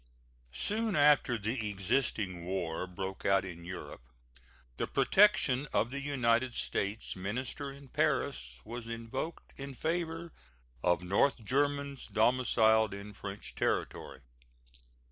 Soon after the existing war broke out in Europe the protection of the United States minister in Paris was invoked in favor of North Germans domiciled in French territory.